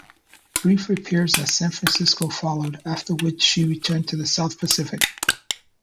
Brief repairs at San Francisco followed, after which she returned to the South Pacific.